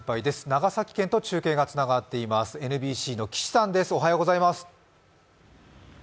長崎県と中継がつながっていますＮＢＣの岸さんです。